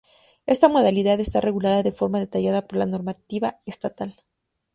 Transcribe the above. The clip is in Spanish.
Esta modalidad está regulada de forma detallada por la normativa estatal.